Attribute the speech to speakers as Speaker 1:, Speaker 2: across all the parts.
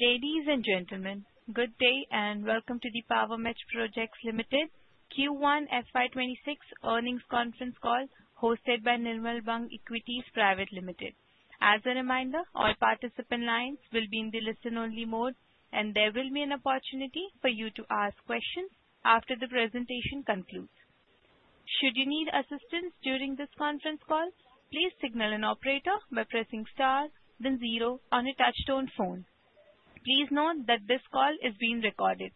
Speaker 1: Ladies and gentlemen, good day, and welcome to the Power Mech Projects Limited's Q1 earnings conference call hosted by Nirmal Bang Equities Private Limited. As a reminder, all participant lines will be in the listen-only mode, and there will be an opportunity for you to ask questions after the presentation concludes. Should you need assistance during this conference call, please signal an operator by pressing star then zero on a touch-tone phone. Please note that this call is being recorded.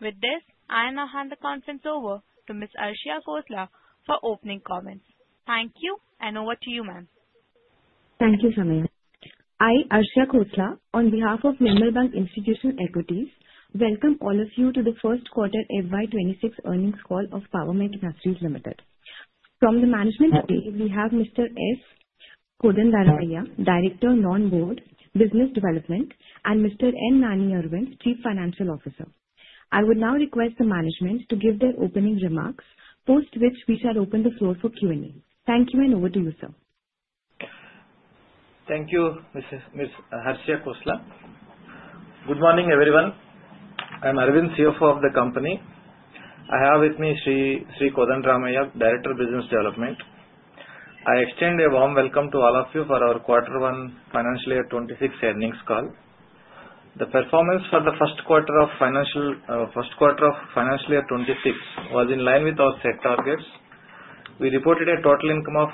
Speaker 1: With this, I now hand the conference over to Ms. Arshia Khosla for opening comments. Thank you, and over to you, ma'am.
Speaker 2: Thank you, Natasha. I, Arshia Khosla, on behalf of Nirmal Bang Institutional Equities, welcome all of you to the first quarter FY26 earnings call of Power Mech Projects Limited. From the management side, we have Mr. S. Kodandaramaiah, Director, Non-Board, Business Development, and Mr. N. Nani Arvind, Chief Financial Officer. I would now request the management to give their opening remarks, post which we shall open the floor for Q&A. Thank you, and over to you, sir.
Speaker 3: Thank you, Ms. Arshia Khosla. Good morning, everyone. I'm Arvind, CFO of the company. I have with me Shri. Kodandaramaiah, Director, Business Development. I extend a warm welcome to all of you for our quarter one FY26 earnings call. The performance for the first quarter of FY26 was in line with our set targets. We reported a total income of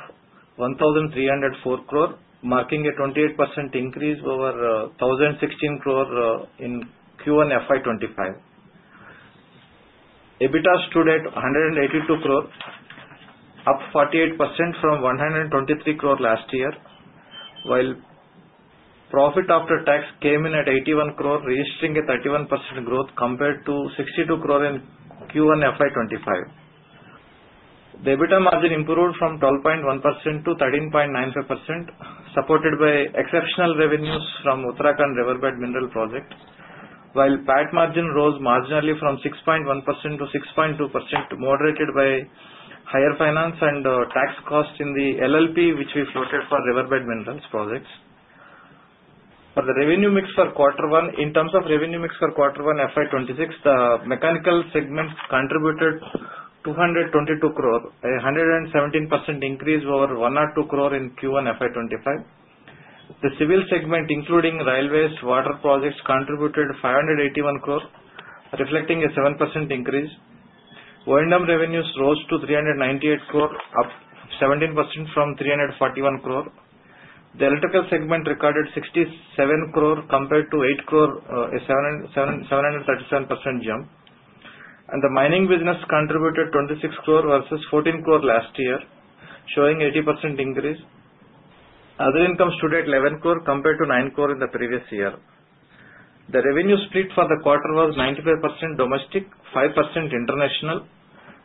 Speaker 3: 1,304 crore rupees, marking a 28% increase over 1,016 crore in Q1 FY25. EBITDA stood at 182 crore, up 48% from 123 crore last year, while profit after tax came in at 81 crore, registering a 31% growth compared to 62 crore in Q1 FY25. The EBITDA margin improved from 12.1% to 13.95%, supported by exceptional revenues from Uttarakhand riverbed mineral projects, while PAT margin rose marginally from 6.1% to 6.2%, moderated by higher finance and tax costs in the LLP, which we floated for riverbed minerals projects. For the revenue mix for quarter one, in terms of revenue mix for quarter one FY26, the mechanical segment contributed 222 crore, a 117% increase over 102 crore in Q1 FY25. The civil segment, including railways, water projects, contributed 581 crore, reflecting a 7% increase. O&M revenues rose to 398 crore, up 17% from 341 crore. The electrical segment recorded 67 crore compared to 8 crore, a 737% jump, and the mining business contributed 26 crore versus 14 crore last year, showing an 80% increase. Other income stood at 11 crore compared to 9 crore in the previous year. The revenue split for the quarter was 95% domestic, 5% international,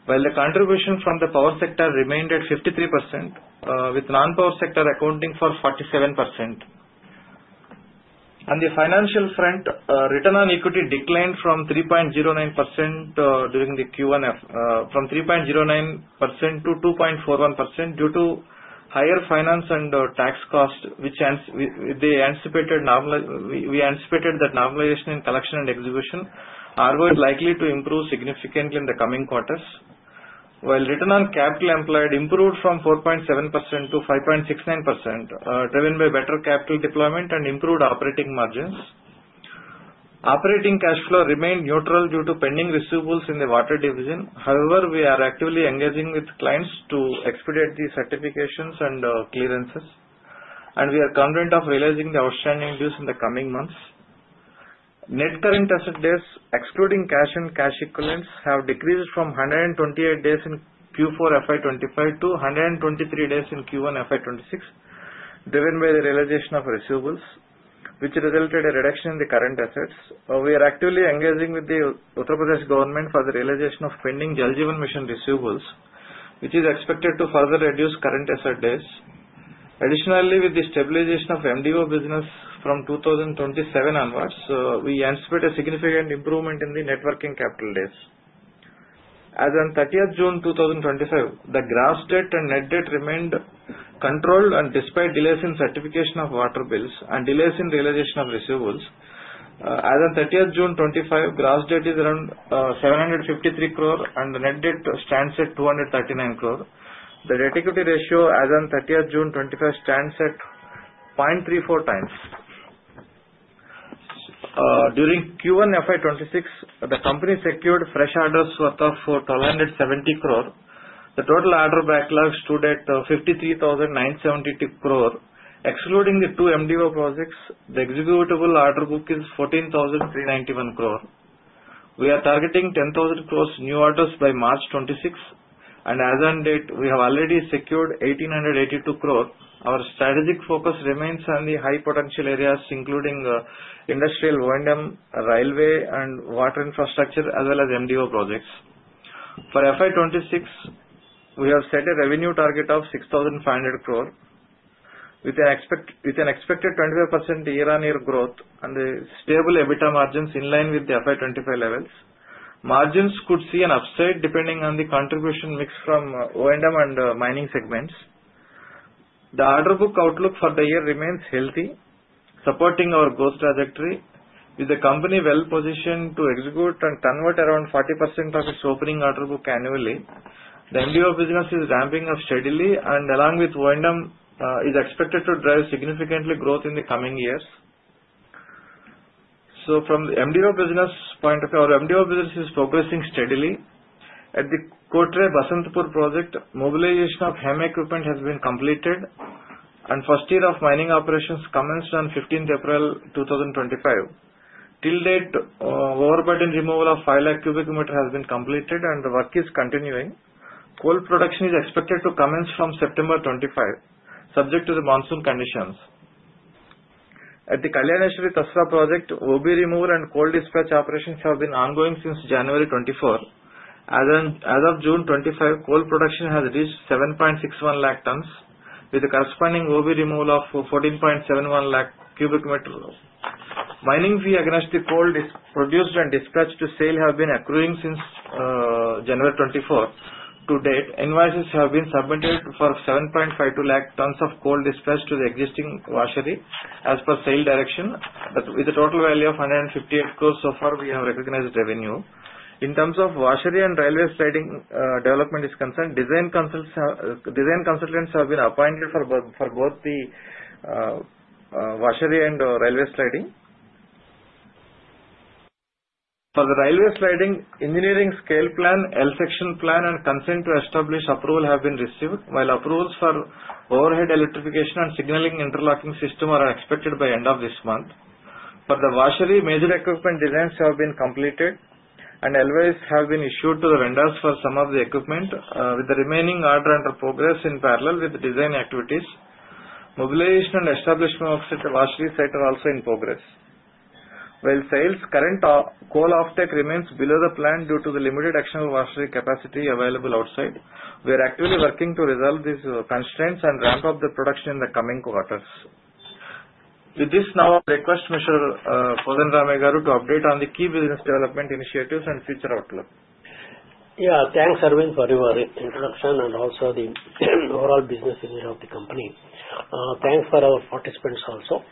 Speaker 3: while the contribution from the power sector remained at 53%, with non-power sector accounting for 47%. On the financial front, Return on Equity declined from 3.09% during the Q1 to 2.41% due to higher finance and tax costs, which they anticipated that normalization in collection and execution are likely to improve significantly in the coming quarters, while return on capital employed improved from 4.7% to 5.69%, driven by better capital deployment and improved operating margins. Operating cash flow remained neutral due to pending receivables in the water division. However, we are actively engaging with clients to expedite the certifications and clearances, and we are confident of realizing the outstanding dues in the coming months. Net current asset days, excluding cash and cash equivalents, have decreased from 128 days in Q4 FY 2025 to 123 days in Q1 FY 2026, driven by the realization of receivables, which resulted in a reduction in the current assets. We are actively engaging with the Uttar Pradesh government for the realization of pending Jal Jeevan Mission receivables, which is expected to further reduce current asset days. Additionally, with the stabilization of MDO business from 2027 onwards, we anticipate a significant improvement in the net working capital days. As on 30 June 2025, the gross debt and net debt remained controlled, and despite delays in certification of water bills and delays in realization of receivables, as on 30 June 2025, gross debt is around 753 crore and net debt stands at 239 crore. The debt-equity ratio as on 30 June 2025 stands at 0.34 times. During Q1 FY26, the company secured fresh orders worth of 1,270 crore. The total order backlog stood at 53,972 crore. Excluding the two MDO projects, the executable order book is 14,391 crore. We are targeting 10,000 crore new orders by March 26, and as on date, we have already secured 1,882 crore. Our strategic focus remains on the high potential areas, including industrial O&M, railway, and water infrastructure, as well as MDO projects. For FY26, we have set a revenue target of 6,500 crore, with an expected 25% year-on-year growth and stable EBITDA margins in line with the FY25 levels. Margins could see an upside depending on the contribution mix from O&M and mining segments. The order book outlook for the year remains healthy, supporting our growth trajectory. With the company well positioned to execute and convert around 40% of its opening order book annually, the MDO business is ramping up steadily, and along with O&M, it is expected to drive significantly growth in the coming years. From the MDO business point of view, our MDO business is progressing steadily. At the Kotre Basantpur project, mobilization of HEM equipment has been completed, and the first year of mining operations commenced on 15 April 2025. Till date, Overburden Removal of 5 lakh cubic meters has been completed, and the work is continuing. Coal production is expected to commence from September 25, subject to the monsoon conditions. At the Kalyaneshwari Tasra project, OB removal and coal dispatch operations have been ongoing since January 24. As of June 25, coal production has reached 7.61 lakh tons, with the corresponding OB removal of 14.71 lakh cubic meters. Mining fee against the coal produced and dispatched to sale has been accruing since January 24. To date, invoices have been submitted for 7.52 lakh tons of coal dispatched to the existing washery as per SAIL direction, with a total value of 158 crores, so far we have recognized revenue. In terms of washery and railway siding development is concerned, design consultants have been appointed for both the washery and railway siding. For the railway siding, engineering scale plan, L-section plan, and consent to establish approval have been received while approvals for overhead electrification and signaling interlocking system are expected by end of this month. For the washery, major equipment designs have been completed, and LOIs have been issued to the vendors for some of the equipment, with the remaining order under progress in parallel with the design activities. Mobilization and establishment of washery site are also in progress. While sales current coal offtake remains below the plan due to the limited external washery capacity available outside, we are actively working to resolve these constraints and ramp up the production in the coming quarters. With this, now I request Mr. Kodandaramaiah garu to update on the key business development initiatives and future outlook.
Speaker 4: Yeah, thanks, Arvind, for your introduction and also the overall business vision of the company. Thanks for our participants also.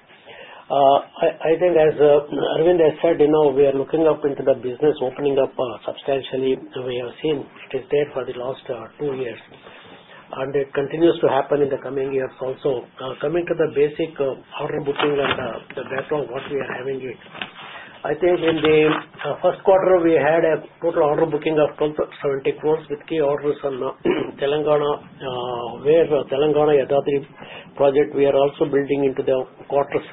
Speaker 4: I think, as Arvind has said, we are looking up into the business, opening up substantially. We have seen it is there for the last two years, and it continues to happen in the coming years also. Coming to the basic order booking and the backlog of what we are having here, I think in the first quarter we had a total order booking of 1,270 crore with key orders on Telangana where Telangana Yadadri project we are also building into the quarters,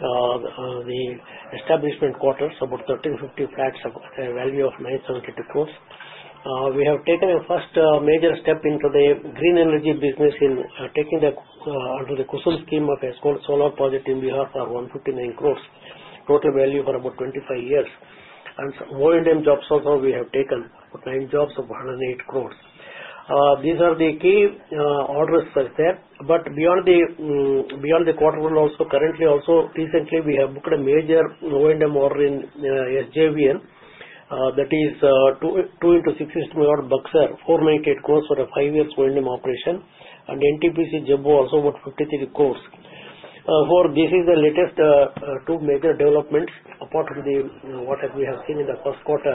Speaker 4: the establishment quarters, about 1,350 flats value of 972 crore. We have taken a first major step into the green energy business in taking under the KUSUM scheme of solar project in Bihar for 159 crore, total value for about 25 years. And O&M jobs also we have taken, nine jobs of 108 crores. These are the key orders there. But beyond the quarter one also, currently also, recently we have booked a major O&M order in SJVN that is 2 x 660 MW Buxar, 498 crores for a five-year O&M operation, and NTPC Jhabua also about 53 crores. This is the latest two major developments apart from what we have seen in the first quarter.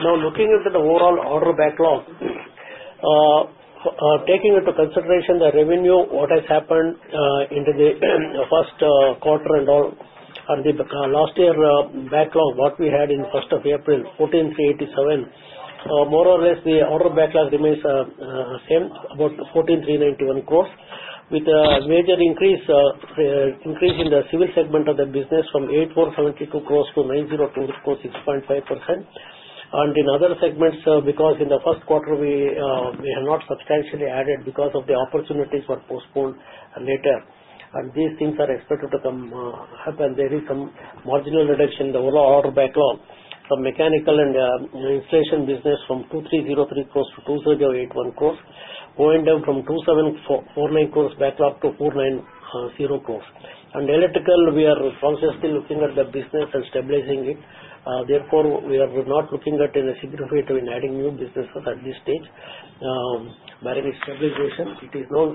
Speaker 4: Now, looking at the overall order backlog, taking into consideration the revenue, what has happened into the first quarter and the last year backlog, what we had in 1st of April, 14,387, more or less the order backlog remains same, about 14,391 crores, with a major increase in the civil segment of the business from 847 crores to 902 crores, 6.5%. In other segments, because in the first quarter we have not substantially added because of the opportunities were postponed later. These things are expected to come up, and there is some marginal reduction in the overall order backlog from mechanical and insulation business from 2,303 crores to 2,081 crores, O&M from 2,749 crores backlog to 490 crores. Electrical, we are consistently looking at the business and stabilizing it. Therefore, we are not looking at any significant adding new businesses at this stage. By any stabilization, it is now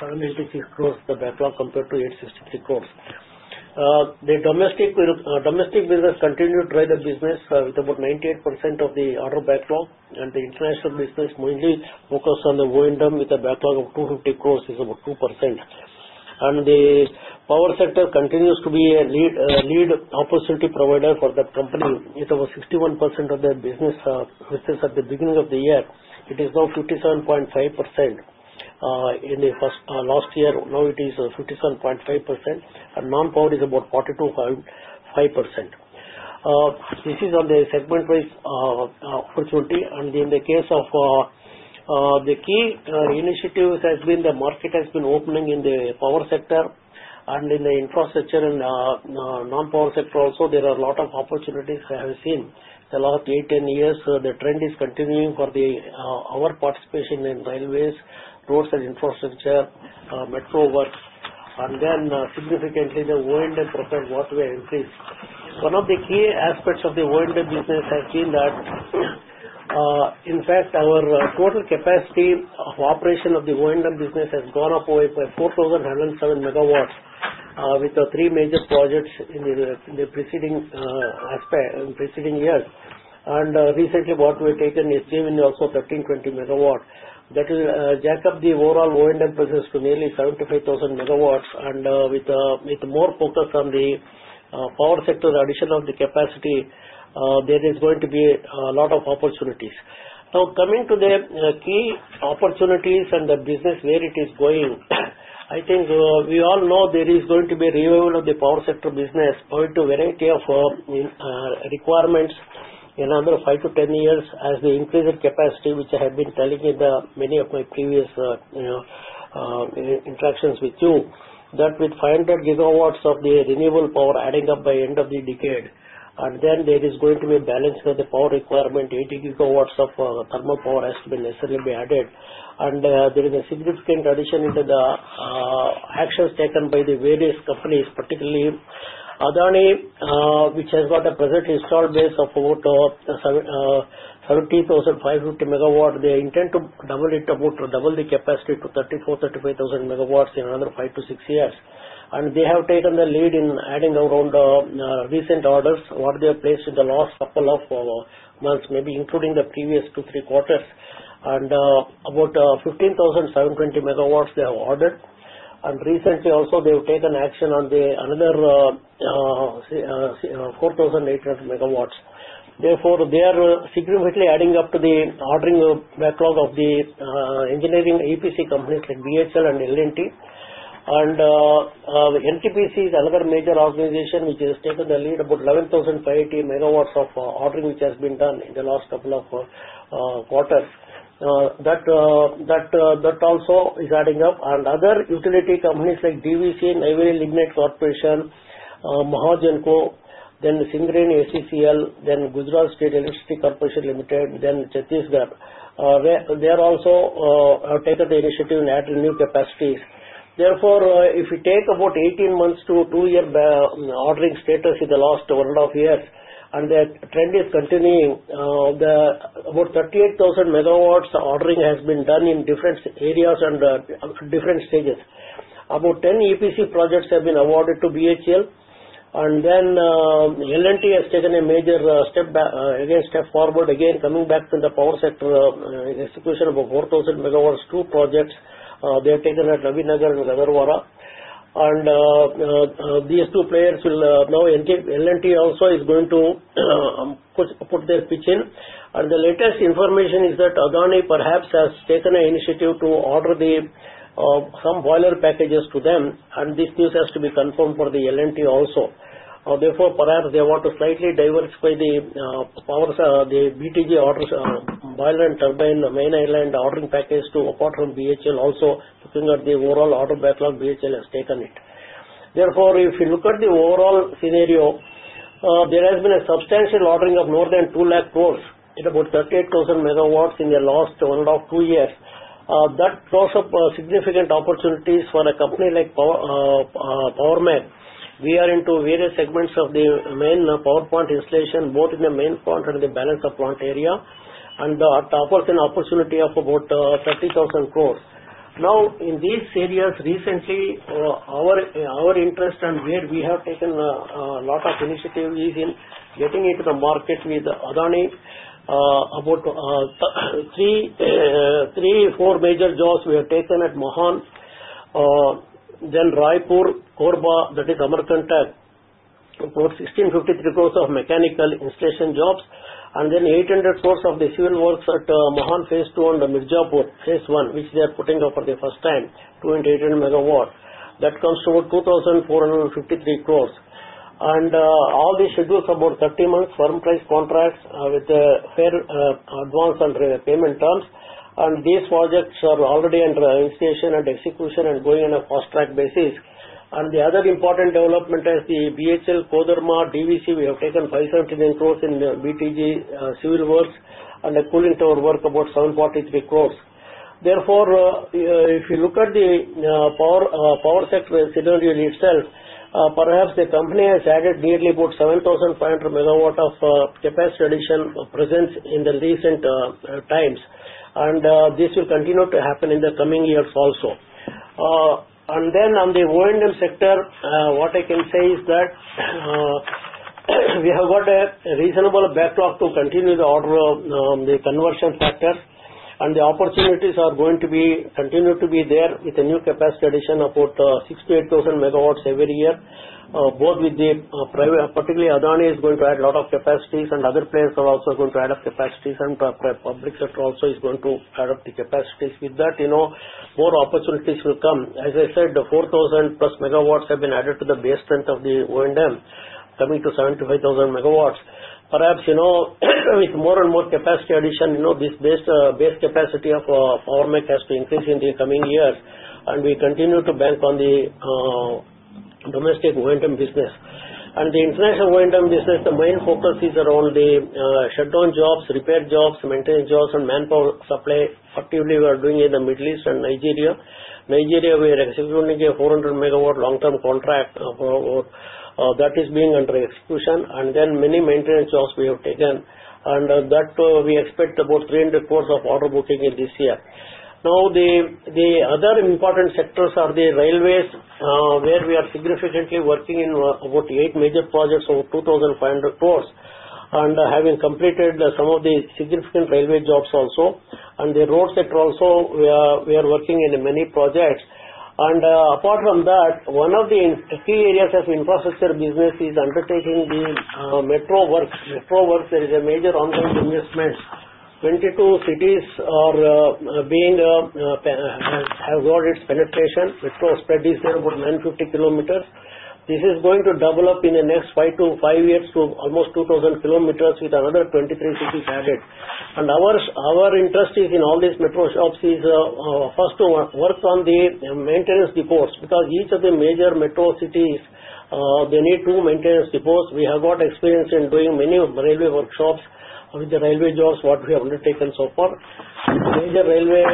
Speaker 4: 786 crores the backlog compared to 863 crores. The domestic business continued to drive the business with about 98% of the order backlog, and the international business mainly focused on the O&M with a backlog of 250 crores, which is about 2%. The power sector continues to be a lead opportunity provider for the company with about 61% of the business at the beginning of the year. It is now 57.5%. In the last year, now it is 57.5%, and non-power is about 42.5%. This is on the segment-wise opportunity. In the case of the key initiatives has been the market has been opening in the Power sector and in the Infrastructure and Non-power sector also, there are a lot of opportunities I have seen. The last 8-10 years, the trend is continuing for our participation in railways, roads, and infrastructure, metro work. Then significantly, the O&M profile what we have increased. One of the key aspects of the O&M business has been that, in fact, our total capacity of operation of the O&M business has gone up by 4,107 MW with three major projects in the preceding years, and recently, what we have taken SJVN also 1,320 MW that will jack up the overall O&M business to nearly 75,000 MW, and with more focus on the power sector, the addition of the capacity, there is going to be a lot of opportunities. Now, coming to the key opportunities and the business where it is going, I think we all know there is going to be a revival of the power sector business owing to a variety of requirements in another five to 10 years as the increase in capacity, which I have been telling in many of my previous interactions with you, that with 500 GW of the renewable power adding up by end of the decade, and then there is going to be a balance for the power requirement, 80 GW of thermal power has to be necessarily added. And there is a significant addition into the actions taken by the various companies, particularly Adani, which has got a present installed base of about 70,550 MW. They intend to double it, about double the capacity to 34,000 MW - 35,000 MW in another five to six years. They have taken the lead in adding around recent orders what they have placed in the last couple of months, maybe including the previous two, three quarters, and about 15,720 MW they have ordered. And recently also, they have taken action on another 4,800 MW. Therefore, they are significantly adding up to the ordering backlog of the engineering EPC companies like BHEL and L&T. NTPC is another major organization which has taken the lead, about 11,580 MW of ordering which has been done in the last couple of quarters. That also is adding up. Other utility companies like DVC, Neyveli Lignite Corporation, Mahagenco, then Singareni SCCL, then Gujarat State Electricity Corporation Limited, then Chhattisgarh, they are also taking the initiative and adding new capacities. Therefore, if we take about 18 months to two-year ordering status in the last one and a half years, and the trend is continuing, about 38,000 MW ordering has been done in different areas and different stages. About 10 EPC projects have been awarded to BHEL. Then L&T has taken a major step forward again, coming back to the power sector execution of 4,000 MW, two projects. They have taken at Nabinagar and Gadarwara. These two players will now L&T also is going to put their pitch in. The latest information is that Adani perhaps has taken an initiative to order some boiler packages to them, and this news has to be confirmed for the L&T also. Therefore, perhaps they want to slightly diversify the BTG Boiler and Turbine, Generator island ordering package to, apart from BHEL also, looking at the overall order backlog BHEL has taken it. Therefore, if you look at the overall scenario, there has been a substantial ordering of more than 2 lakh crores at about 38,000 MW in the last one and a half, two years. That throws up significant opportunities for a company like Power Mech. We are into various segments of the main power plant installation, both in the main plant and the balance of plant area, and that offers an opportunity of about 30,000 crores. Now, in these areas, recently, our interest and where we have taken a lot of initiative is in getting into the market with Adani. About three or four major jobs we have taken at Mahan, then Raipur, Korba, that is Amarkantak, about 1,653 crores of mechanical installation jobs, and then 800 crores of the civil works at Mahan Phase Two and Mirzapur Phase One, which they are putting up for the first time, 280 MW. That comes to about 2,453 crores, and all these schedules about 30 months firm price contracts with the fair advance and payment terms. These projects are already under installation and execution and going on a fast track basis. The other important development is the BHEL Kodarma DVC. We have taken 579 crores in BTG civil works and cooling tower work about 743 crores. Therefore, if you look at the power sector scenario itself, perhaps the company has added nearly about 7,500 MW of capacity addition presence in the recent times. This will continue to happen in the coming years also. On the O&M sector, what I can say is that we have got a reasonable backlog to continue the order, the conversion factors, and the opportunities are going to continue to be there with the new capacity addition of about 6,000MW-8,000 MW every year, both, with particularly Adani is going to add a lot of capacities and other players are also going to add up capacities and public sector also is going to add up the capacities. With that, more opportunities will come. As I said, 4,000-plus MW have been added to the base strength of the O&M, coming to 75,000 MW. Perhaps with more and more capacity addition, this base capacity of Power Mech has to increase in the coming years, and we continue to bank on the domestic O&M business. And the international O&M business, the main focus is around the shutdown jobs, repair jobs, maintenance jobs, and manpower supply. Actively, we are doing in the Middle East and Nigeria. Nigeria, we are executing a 400 MW long-term contract that is being under execution, and then many maintenance jobs we have taken. And that we expect about 300 crores of order booking in this year. Now, the other important sectors are the railways, where we are significantly working in about eight major projects of 2,500 crores and having completed some of the significant railway jobs also. And the road sector also, we are working in many projects. And apart from that, one of the key areas of infrastructure business is undertaking the metro works. Metro works, there is a major ongoing investment. 22 cities have got its penetration. Metro spread is there about 950 km. This is going to double up in the next five years to almost 2,000 km with another 23 cities added, and our interest is in all these metro shops is first to work on the maintenance depots because each of the major metro cities, they need two maintenance depots. We have got experience in doing many railway workshops with the railway jobs, what we have undertaken so far. The major railway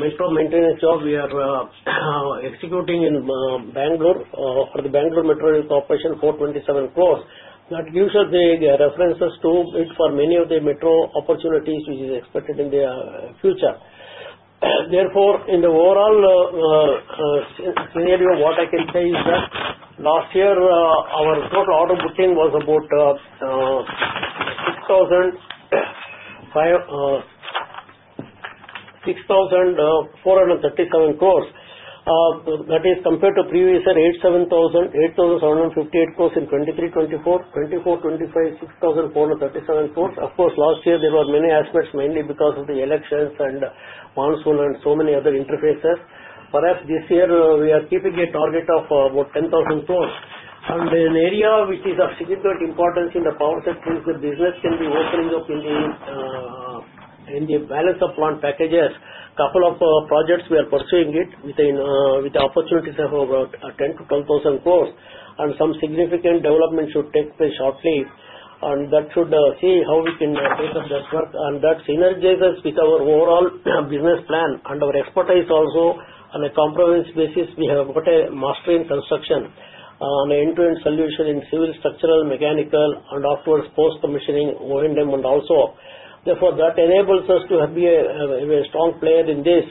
Speaker 4: metro maintenance job we are executing in Bangalore for the Bangalore Metro Corporation, 427 crores. That gives us the references to it for many of the metro opportunities which is expected in the future. Therefore, in the overall scenario, what I can say is that last year, our total order booking was about 6,437 crores. That is compared to previous year 8,758 crores in 2023-24. For 2024-25, INR 6,437 crores. Of course, last year, there were many aspects, mainly because of the elections and monsoon and so many other interfaces. Perhaps this year, we are keeping a target of about 10,000 crores. And in an area which is of significant importance in the power sector, the business can be opening up in the Balance of Plant packages. Couple of projects we are pursuing it with the opportunities of about 10,000 to 12,000 crores. And some significant development should take place shortly. And that should see how we can take up this work. And that synergizes with our overall business plan. And our expertise also, on a comprehensive basis, we have got a mastery in construction and an end-to-end solution in civil structural, mechanical, and afterwards post-commissioning O&M and also. Therefore, that enables us to be a strong player in this.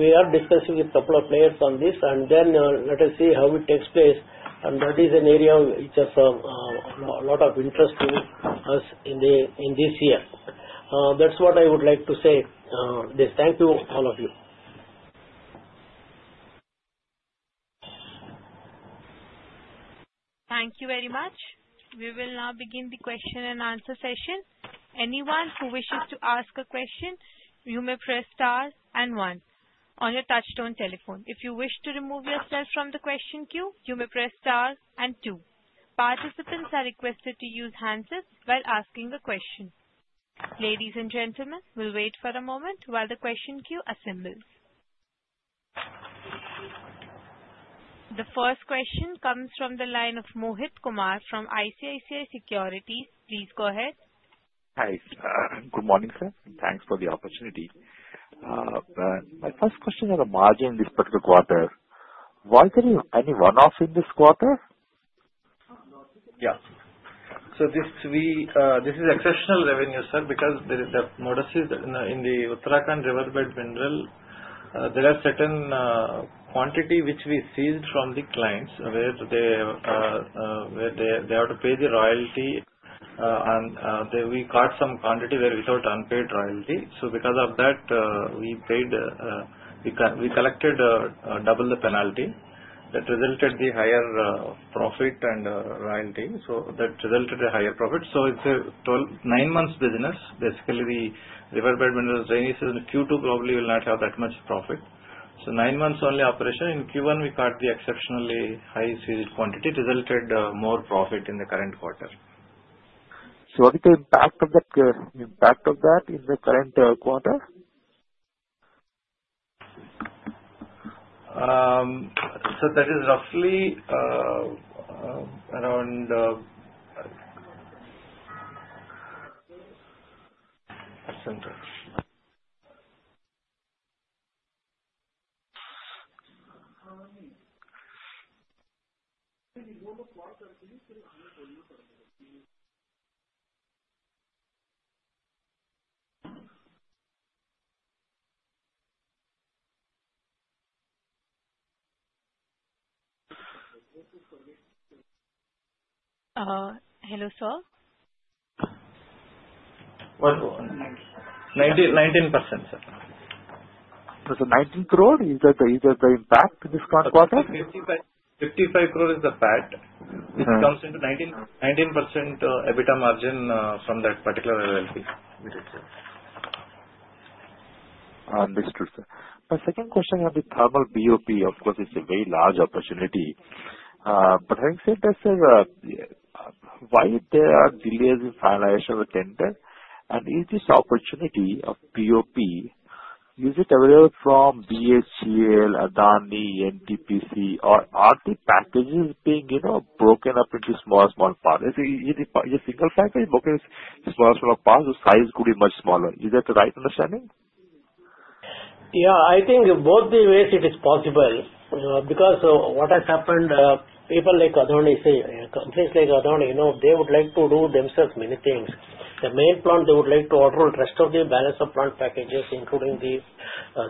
Speaker 4: We are discussing with a couple of players on this, and then let us see how it takes place. And that is an area which has a lot of interest to us in this year. That's what I would like to say. Thank you, all of you.
Speaker 2: Thank you very much. We will now begin the question and answer session. Anyone who wishes to ask a question, you may press star and one. On your touch-tone telephone, if you wish to remove yourself from the question queue, you may press star and two. Participants are requested to use the handset while asking the question. Ladies and gentlemen, we'll wait for a moment while the question queue assembles. The first question comes from the line of Mohit Kumar from ICICI Securities. Please go ahead.
Speaker 5: Hi. Good morning, sir. Thanks for the opportunity. My first question is on the margin in this particular quarter. Was there any one-off in this quarter?
Speaker 3: Yeah. So this is exceptional revenue, sir, because there is a notice in the Uttarakhand riverbed mineral. There are certain quantity which we seized from the clients where they have to pay the royalty. And we caught some quantity there without unpaid royalty. So because of that, we collected double the penalty. That resulted in the higher profit and royalty. So that resulted in a higher profit. So it's a nine-month business. Basically, the riverbed mineral's drainage season Q2 probably will not have that much profit. So nine months only operation. In Q1, we caught the exceptionally high seized quantity. It resulted in more profit in the current quarter.
Speaker 5: So what is the impact of that in the current quarter?
Speaker 3: So that is roughly around hello, sir? 19%, sir.
Speaker 5: So 19 crore is the impact this current quarter?
Speaker 3: 55 crore is the PAT, which comes into 19% EBITDA margin from that particular LLP.
Speaker 5: Understood, sir. My second question on the thermal BOP, of course, is a very large opportunity. But having said that, sir, why are there delays in finalization of the tender? And is this opportunity of BOP, is it available from BHEL, Adani, NTPC, or are the packages being broken up into smaller, smaller parts? Is it a single package broken into smaller, smaller parts? The size could be much smaller. Is that the right understanding?
Speaker 4: Yeah. I think both the ways it is possible. Because what has happened, people like Adani, say, companies like Adani, they would like to do themselves many things. The main plant, they would like to order the rest of the balance of plant packages, including the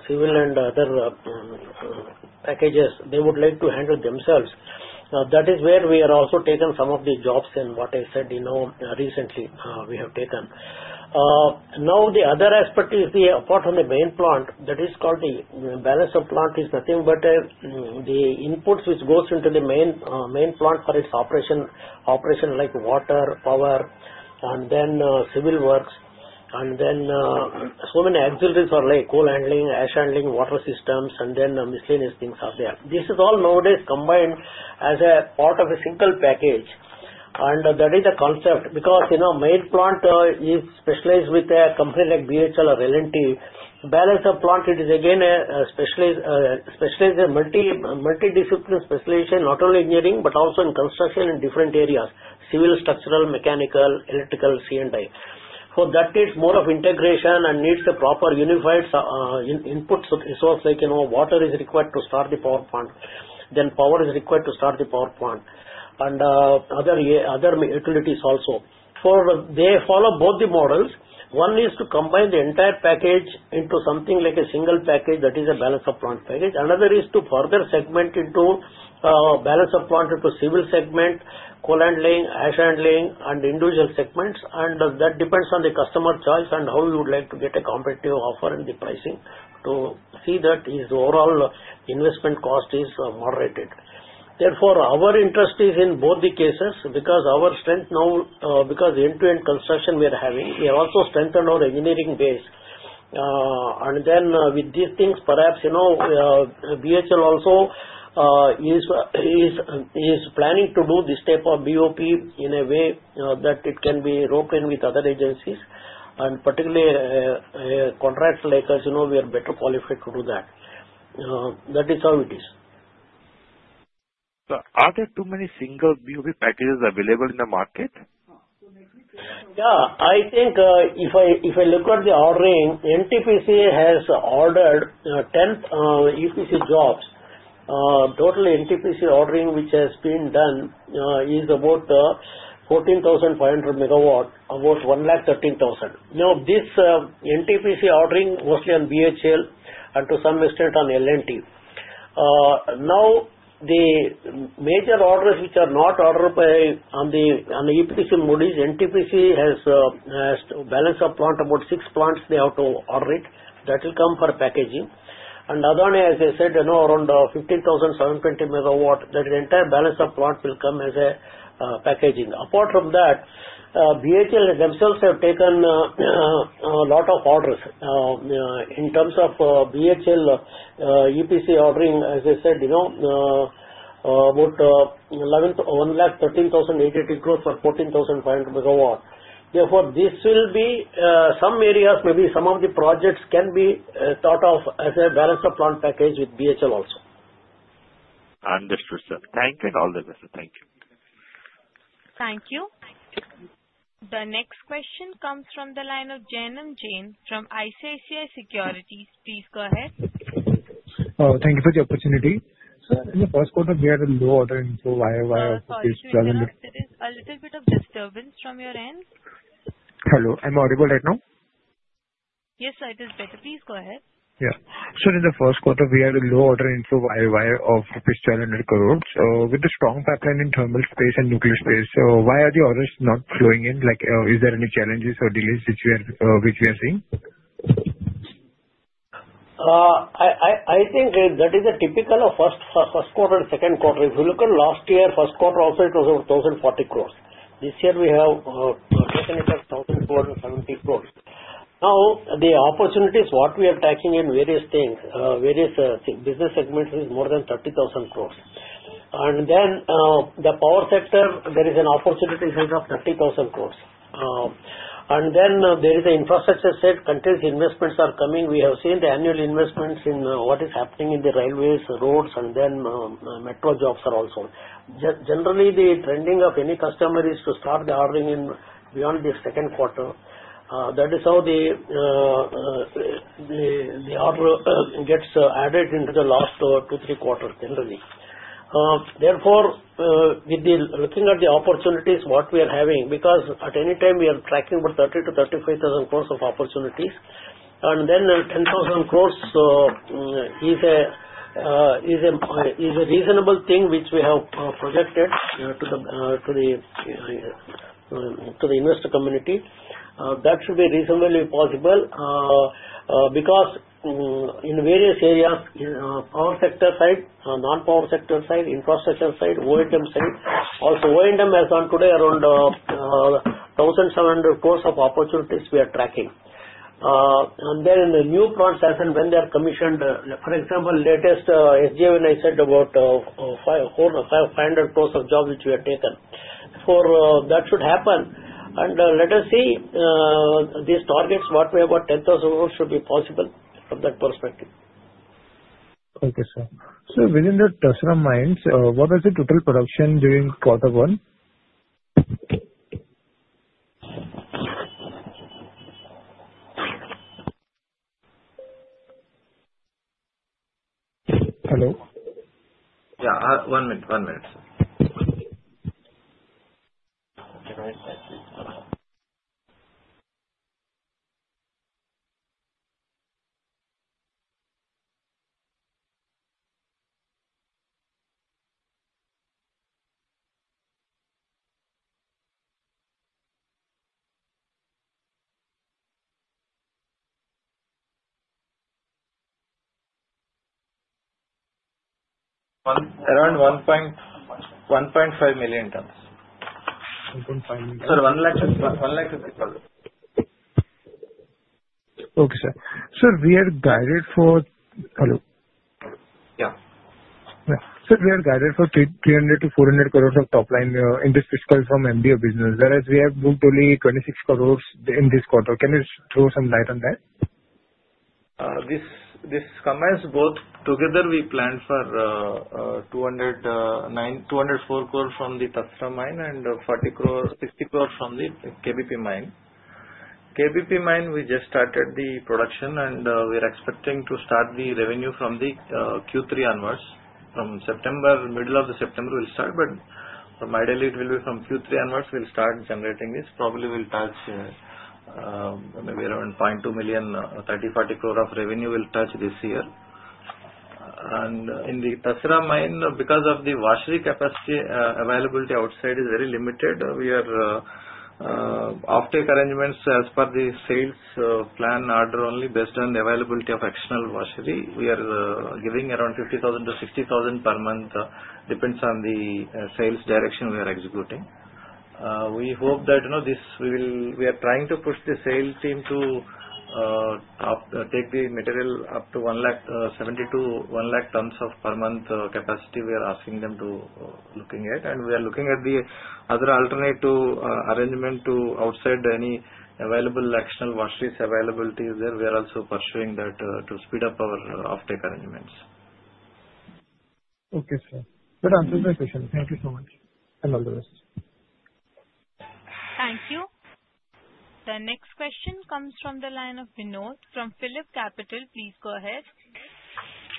Speaker 4: civil and other packages. They would like to handle themselves. That is where we have also taken some of the jobs in what I said recently we have taken. Now, the other aspect is the part on the main plant. That is called the Balance of Plant is nothing but the inputs which goes into the main plant for its operation, like water, power, and then civil works, and then so many auxiliaries are like coal handling, ash handling, water systems, and then miscellaneous things are there. This is all nowadays combined as a part of a single package, and that is the concept. Because main plant is specialized with a company like BHEL or L&T, Balance of Plant, it is again a specialized multidisciplinary specialization, not only engineering, but also in construction in different areas, civil structural, mechanical, electrical, C&I. For that, it's more of integration and needs a proper unified input. It's like water is required to start the power plant. Then power is required to start the power plant. And other utilities also. They follow both the models. One is to combine the entire package into something like a single package. That is a Balance of Plant package. Another is to further segment into Balance of Plant into civil segment, coal handling, ash handling, and individual segments. And that depends on the customer choice and how you would like to get a competitive offer in the pricing to see that the overall investment cost is moderated. Therefore, our interest is in both the cases because our strength now, because end-to-end construction we are having, we have also strengthened our engineering base. And then with these things, perhaps BHEL also is planning to do this type of BOP in a way that it can be roped in with other agencies. And particularly contracts like us, we are better qualified to do that. That is how it is. Are there too many single BOP packages available in the market? Yeah. I think if I look at the ordering, NTPC has ordered 10 EPC jobs. Total NTPC ordering which has been done is about 14,500 MW, about 113,000. Now, this NTPC ordering mostly on BHEL and to some extent on L&T. Now, the major orders which are not ordered on the EPC mode is NTPC has balance of plant about six plants they have to order it. That will come for packaging. And Adani, as I said, around 15,720 MW. That entire balance of plant will come as a packaging. Apart from that, BHEL themselves have taken a lot of orders. In terms of BHEL EPC ordering, as I said, about 113,000 crores for 14,500 MW. Therefore, this will be some areas, maybe some of the projects can be thought of as a balance of plant package with BHEL also.
Speaker 5: Understood, sir. Thank you. All the best. Thank you.
Speaker 2: Thank you. The next question comes from the line of Jainam Jain from ICICI Securities. Please go ahead.
Speaker 6: Thank you for the opportunity. Sir, in the first quarter, we had a low order inflow.
Speaker 2: Sorry, sir. There is a little bit of disturbance from your end.
Speaker 6: Hello. I'm audible right now?
Speaker 2: Yes, sir. It is better. Please go ahead.
Speaker 6: Yeah. Sir, in the first quarter, we had a low order inflow with a strong pipeline in thermal space and nuclear space. So why are the orders not flowing in? Is there any challenges or delays which we are seeing?
Speaker 4: I think that is a typical of first quarter and second quarter. If you look at last year, first quarter also it was about 1,040 crores. This year, we have taken it as 1,270 crores. Now, the opportunities what we are tackling in various things, various business segments is more than 30,000 crores. And then the Power sector, there is an opportunity set of 30,000 crores. And then there is an Infrastructure set. Continuous investments are coming. We have seen the annual investments in what is happening in the railways, roads, and then metro jobs are also. Generally, the trending of any customer is to start the ordering in beyond the second quarter. That is how the order gets added into the last two, three quarters generally. Therefore, with looking at the opportunities what we are having, because at any time we are tracking about 30,000-35,000 crores of opportunities. And then 10,000 crores is a reasonable thing which we have projected to the investor community. That should be reasonably possible. Because in various areas, power sector side, non-power sector side, infrastructure side, O&M side. Also, O&M has done today around 1,700 crores of opportunities we are tracking. And then in the new plants, as and when they are commissioned. For example, latest SJVN, when I said about 500 crores of jobs which we have taken. That should happen. And let us see these targets what we have about 10,000 crores should be possible from that perspective.
Speaker 6: Thank you, sir. Sir, within the Tasra mines, what was the total production during quarter one?
Speaker 3: Around 1.5 million tons.
Speaker 6: 1.5 million?
Speaker 3: Sir, 150,000.
Speaker 6: Okay, sir. Sir, we are guided for hello?
Speaker 3: Yeah.
Speaker 6: Sir, we are guided for 300-400 crores of top line in this fiscal from MDO business. Whereas we have booked only 26 crores in this quarter. Can you throw some light on that?
Speaker 3: This combines both together we planned for 204 crores from the Tasra mine and 60 crores from the KBP mine. KBP mine, we just started the production, and we are expecting to start the revenue from the Q3 onwards. From middle of the September, we'll start. But from my delay, it will be from Q3 onwards we'll start generating this. Probably we'll touch maybe around 0.2 million, 30-40 crore of revenue we'll touch this year. And in the Tasra mine, because of the washery capacity availability outside is very limited, we are offtake arrangements as per the sales plan order only based on the availability of external washery. We are giving around 50,000 to 60,000 per month. Depends on the sales direction we are executing. We hope that this we are trying to push the sales team to take the material up to 70 to one lakh tons of per month capacity we are asking them to looking at. And we are looking at the other alternative arrangement to outside any available external washeries availability there. We are also pursuing that to speed up our offtake arrangements.
Speaker 6: Okay, sir. That answers my question. Thank you so much. And all the best.
Speaker 2: Thank you. The next question comes from the line of Vinod from PhillipCapital. Please go ahead.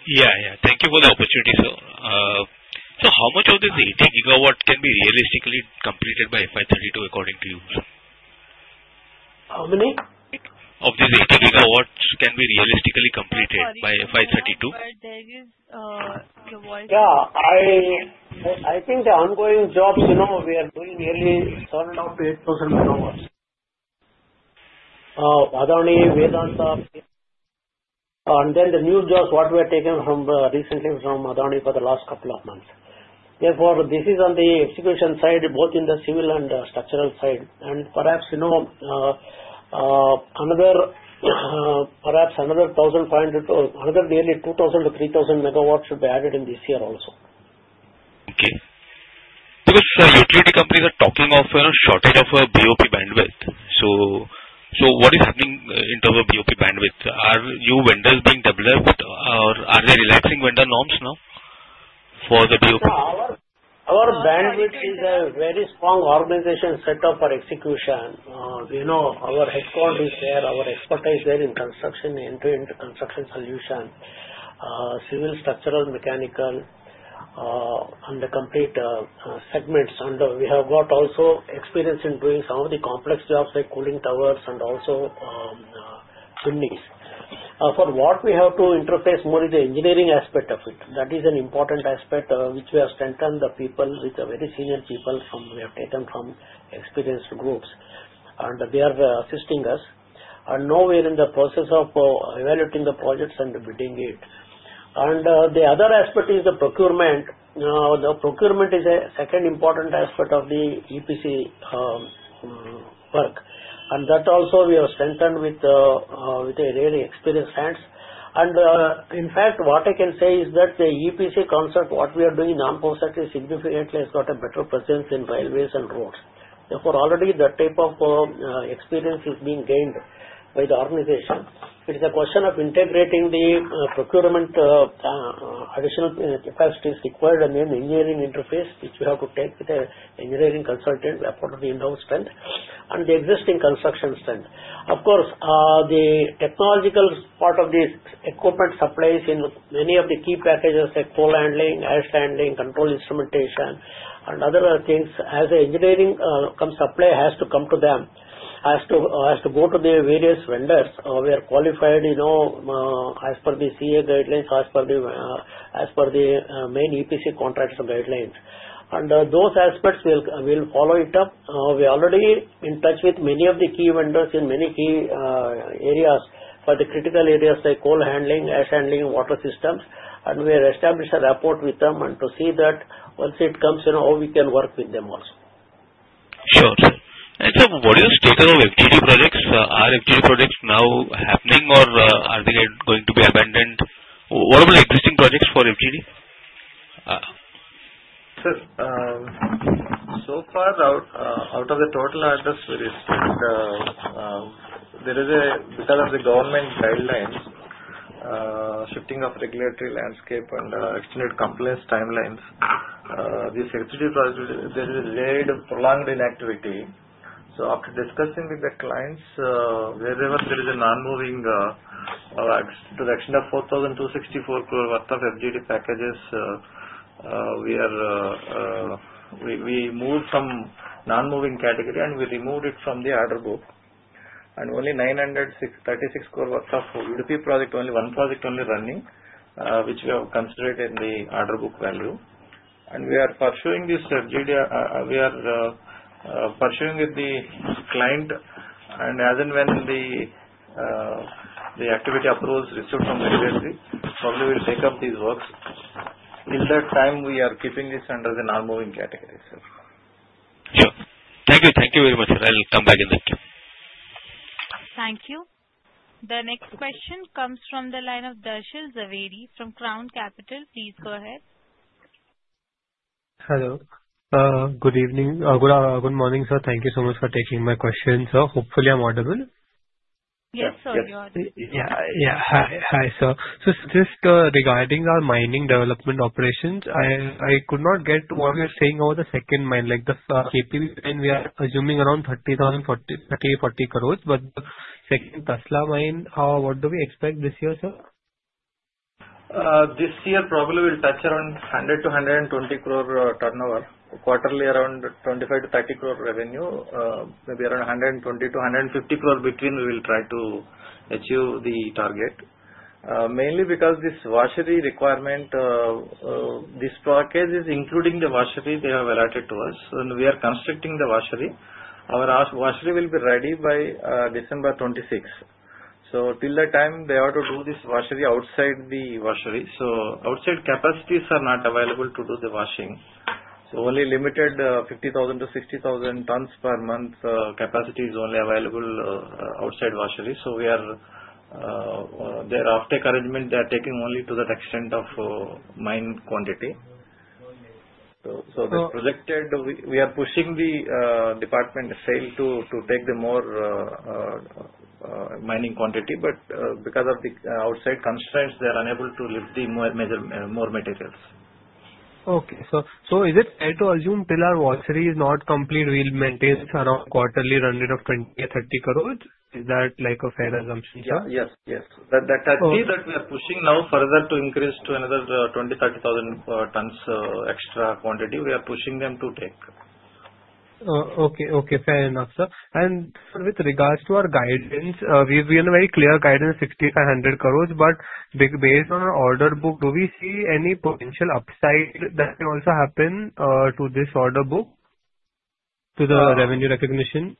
Speaker 7: Yeah. Yeah. Thank you for the opportunity, sir. So how much of this 80 GW can be realistically completed by FY32 according to you?
Speaker 4: How many?
Speaker 7: Of this 80 GW can be realistically completed by FY32?
Speaker 4: Yeah. I think the ongoing jobs we are doing nearly 7,000 to 8,000 MW. Adani, Vedanta. And then the new jobs what we have taken recently from Adani for the last couple of months. Therefore, this is on the execution side, both in the civil and structural side. And perhaps another 1,500 MW to another nearly 2,000 to 3,000 MW should be added in this year also.
Speaker 7: Okay. Because utility companies are talking of shortage of BOP bandwidth. So what is happening in terms of BOP bandwidth? Are new vendors being developed, or are they relaxing vendor norms now for the BOP?
Speaker 4: Our bandwidth is a very strong organization set up for execution. Our headquarters is there. Our expertise is there in construction, end-to-end construction solution, civil structural, mechanical, and the complete segments. And we have got also experience in doing some of the complex jobs like cooling towers and also chimneys. For what we have to interface more is the engineering aspect of it. That is an important aspect which we have strengthened the people with the very senior people from we have taken from experienced groups. And they are assisting us. And now we are in the process of evaluating the projects and bidding it. And the other aspect is the procurement. The procurement is a second important aspect of the EPC work. And that also we have strengthened with a really experienced hands. And in fact, what I can say is that the EPC concept what we are doing in non-construction significantly has got a better presence in railways and roads. Therefore, already the type of experience is being gained by the organization. It is a question of integrating the procurement additional capacities required and then engineering interface which we have to take with an engineering consultant for the in-house strength and the existing construction strength. Of course, the technological part of this equipment supplies in many of the key packages like coal handling, ash handling, control instrumentation, and other things. As an engineering supply has to come to them, has to go to the various vendors who are qualified as per the CA guidelines, as per the main EPC contractor guidelines. And those aspects we'll follow it up. We are already in touch with many of the key vendors in many key areas for the critical areas like coal handling, ash handling, water systems. We have established a rapport with them and to see that once it comes, how we can work with them also.
Speaker 7: Sure, sir. Sir, what is the status of FGD projects? Are FGD projects now happening, or are they going to be abandoned? What about existing projects for FGD?
Speaker 3: Sir, so far out of the total address, there is a because of the government guidelines, shifting of regulatory landscape and extended compliance timelines, this FGD project, there is a very prolonged inactivity. So after discussing with the clients, wherever there is a non-moving to the extent of 4,264 crore worth of FGD packages, we moved some non-moving category and we removed it from the order book. Only 936 crore worth of FGD project, only one project only running, which we have considered in the order book value. We are pursuing this FGD. We are pursuing with the client. As and when the activity approvals receive from the agency, probably we'll take up these works. In that time, we are keeping this under the non-moving category, sir.
Speaker 7: Sure. Thank you. Thank you very much, sir. I'll come back in the queue.
Speaker 2: Thank you. The next question comes from the line of Darshil Jhaveri from Crown Capital. Please go ahead.
Speaker 8: Hello. Good evening. Good morning, sir. Thank you so much for taking my questions, sir. Hopefully, I'm audible.
Speaker 2: Yes, sir. You're audible.
Speaker 8: Yeah. Yeah. Hi, sir. So just regarding our mining development operations, I could not get what you're saying about the second mine. Like the KBP mine, we are assuming around 30-40 crore. But the second Tasra mine, what do we expect this year, sir?
Speaker 3: This year, probably we'll touch around 100-120 crore turnover. Quarterly, around 25-30 crore revenue. Maybe around 120-150 crore between; we will try to achieve the target. Mainly because this washery requirement, this package is including the washery they have allotted to us, and we are constructing the washery. Our washery will be ready by December 26, so till that time, they have to do this washery outside the washery. So outside capacities are not available to do the washing, so only limited 50,000-60,000 tons per month capacity is only available outside washery. So we are their offtake the arrangement; they are taking only to that extent of mine quantity. So we are pushing the department sale to take the more mining quantity, but because of the outside constraints, they are unable to lift the more materials.
Speaker 8: Okay. So is it fair to assume till our washery is not complete, we'll maintain around quarterly run rate of 20-30 crore? Is that like a fair assumption, sir?
Speaker 3: Yes. Yes. The catch is that we are pushing now further to increase to another 20,000-30,000 tons extra quantity. We are pushing them to take.
Speaker 8: Okay. Okay. Fair enough, sir. And with regards to our guidance, we have given a very clear guidance, 6,500 crore. But based on our order book, do we see any potential upside that may also happen to this order book, to the revenue recognition?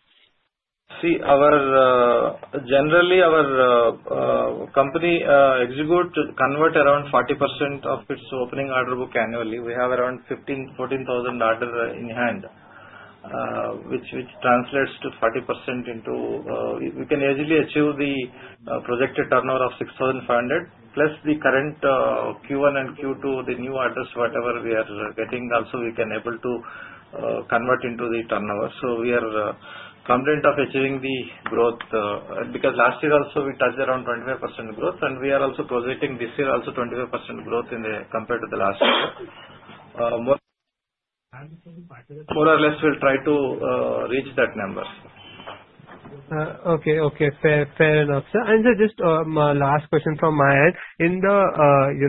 Speaker 3: See, generally, our company executes convert around 40% of its opening order book annually. We have around 14,000-15,000 orders in hand, which translates to 40% into we can easily achieve the projected turnover of 6,500 crore plus the current Q1 and Q2, the new orders, whatever we are getting. Also, we can be able to convert into the turnover. So we are content of achieving the growth. Because last year also, we touched around 25% growth. And we are also projecting this year also 25% growth compared to the last year. More or less, we'll try to reach that number, sir.
Speaker 8: Okay. Okay. Fair enough, sir. And sir, just last question from my end. In the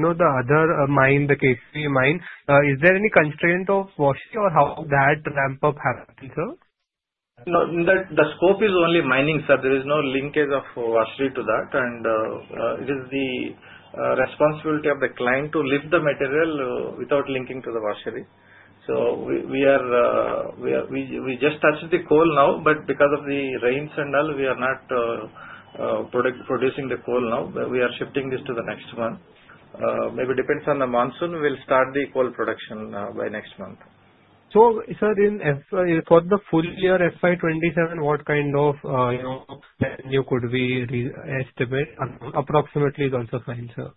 Speaker 8: other mine, the KPB mine, is there any constraint of washery or how that ramp-up happens, sir?
Speaker 3: The scope is only Mining, sir. There is no linkage of washery to that. And it is the responsibility of the client to lift the material without linking to the washery. So we just touched the coal now. But because of the rains and all, we are not producing the coal now. We are shifting this to the next month. Maybe depends on the monsoon, we'll start the coal production by next month.
Speaker 8: So sir, for the full year, FY27, what kind of revenue could we estimate? Approximately is also fine, sir.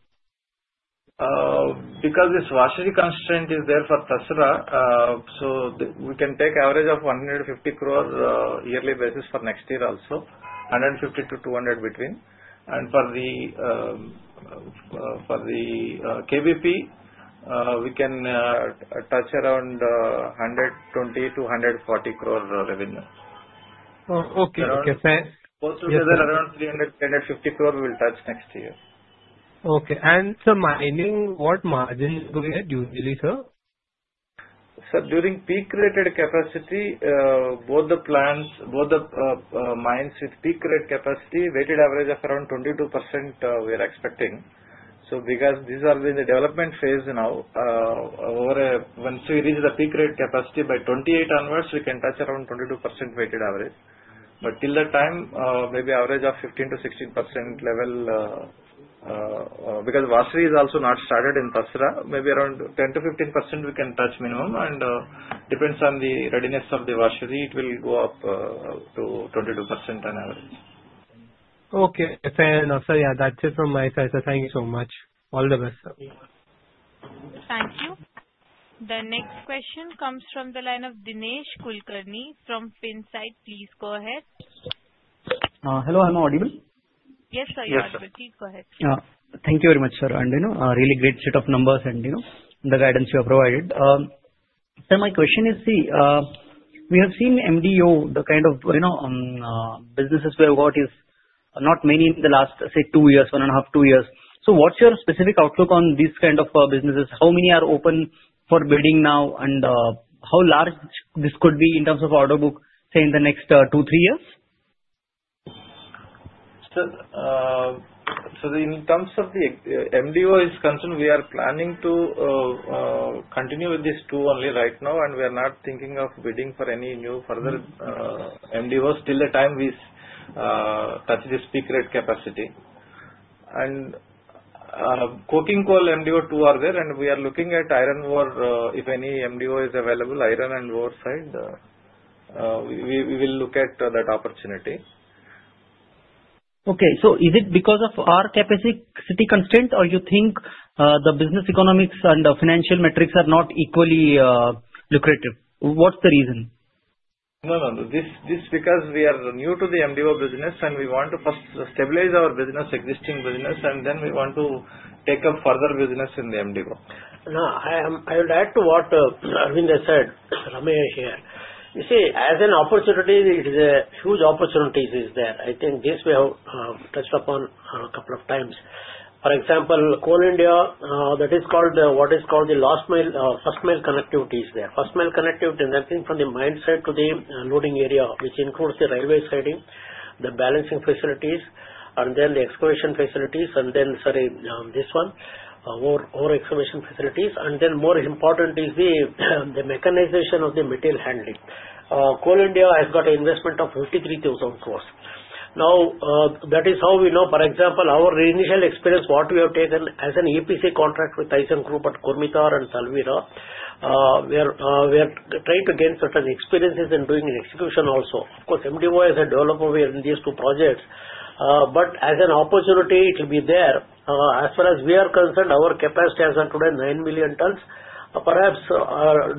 Speaker 3: Because this washery constraint is there for Tasra, so we can take average of 150 crore yearly basis for next year also, between INR 150-200 crore. And for the KBP, we can touch around 120-140 crore revenue.
Speaker 8: Okay. Okay. Fair.
Speaker 3: Both together, around 300-350 crore we'll touch next year.
Speaker 8: Okay. And sir, Mining, what margin do we get usually, sir?
Speaker 3: Sir, during peak rated capacity, both the plants, both the mines with peak rated capacity, weighted average of around 22% we are expecting. So because these are in the development phase now, once we reach the peak rated capacity by 2028 onwards, we can touch around 22% weighted average. But till that time, maybe average of 15%-16% level. Because washery is also not started in Tasra, maybe around 10%-15% we can touch minimum. And depends on the readiness of the washery, it will go up to 22% on average.
Speaker 8: Okay. Fair enough, sir. Yeah. That's it from my side, sir. Thank you so much. All the best, sir.
Speaker 2: Thank you. The next question comes from the line of Dinesh Kulkarni from Finsight. Please go ahead.
Speaker 9: Hello. I'm audible?
Speaker 2: Yes, sir. You're audible. Please go ahead.
Speaker 9: Thank you very much, sir. And really great set of numbers and the guidance you have provided. Sir, my question is, see, we have seen MDO, the kind of businesses we have got is not many in the last, say, two years, one and a half, two years. So what's your specific outlook on these kind of businesses? How many are open for bidding now? And how large this could be in terms of order book, say, in the next two, three years?
Speaker 3: Sir, in terms of the MDO is concerned, we are planning to continue with these two only right now. And we are not thinking of bidding for any new further MDOs till the time we touch this peak rate capacity. And coking coal MDO two are there. And we are looking at iron ore, if any MDO is available, iron and ore side. We will look at that opportunity.
Speaker 9: Okay. So is it because of our capacity constraint, or you think the business economics and financial metrics are not equally lucrative? What's the reason?
Speaker 3: No, no, no. This is because we are new to the MDO business, and we want to first stabilize our existing business, and then we want to take up further business in the MDO.
Speaker 4: Now, I will add to what Arvind said, Ramaiah here. You see, as an opportunity, there is a huge opportunity there. I think this we have touched upon a couple of times. For example, Coal India, that is called what is called the first mile connectivity is there. First mile connectivity, namely from the mine site to the loading area, which includes the railway siding, the balancing facilities, and then the excavation facilities, and then, sorry, this one, more excavation facilities. And then more important is the mechanization of the material handling. Coal India has got an investment of 53,000 crore. Now, that is how we know. For example, our initial experience, what we have taken as an EPC contract with ThyssenKrupp at Kurmitar and Salbani, we are trying to gain certain experiences in doing an execution also. Of course, MDO as a developer, we are in these two projects, but as an opportunity, it will be there. As far as we are concerned, our capacity as of today, nine million tons. Perhaps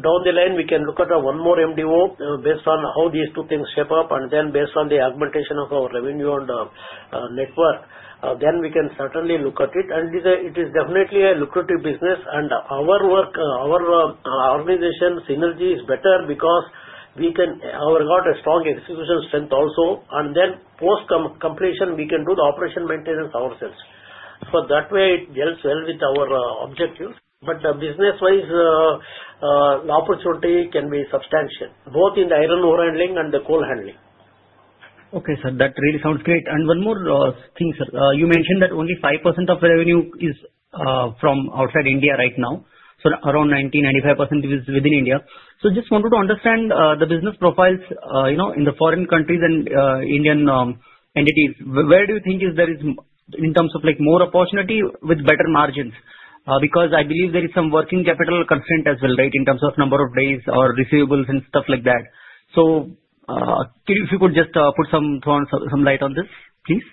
Speaker 4: down the line, we can look at one more MDO based on how these two things shape up, and then based on the augmentation of our revenue and network, then we can certainly look at it. It is definitely a lucrative business, and our work, our organization synergy is better because we got a strong execution strength also, and then post completion, we can do the operation maintenance ourselves. That way, it helps well with our objectives. But business-wise, the opportunity can be substantial, both in the iron ore handling and the coal handling.
Speaker 9: Okay, sir. That really sounds great. And one more thing, sir. You mentioned that only 5% of revenue is from outside India right now. So around 90%-95% is within India. So just wanted to understand the business profiles in the foreign countries and Indian entities. Where do you think there is in terms of more opportunity with better margins? Because I believe there is some working capital constraint as well, right, in terms of number of days or receivables and stuff like that. So if you could just put some light on this, please.